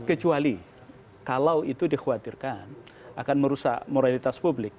kecuali kalau itu dikhawatirkan akan merusak moralitas publik